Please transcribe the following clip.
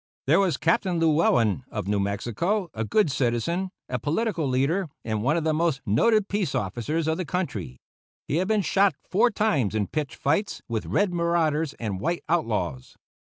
There was Captain Llewellen, of New Mexico, a good citizen, a political leader, and one of the most noted peace officers of the country; he had been shot four times in pitched fights with red marauders and white outlaws.